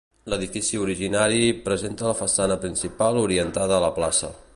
L'edifici originari presenta la façana principal orientada a la plaça.